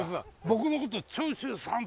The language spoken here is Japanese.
僕のこと。